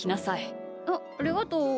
あっありがとう。